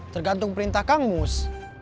tergantung perintah kang mus